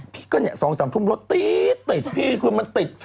พี่ก็เนี่ย๒๓ทุ่มรถตี๊ดติดพี่คือมันติด